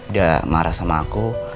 dia marah sama aku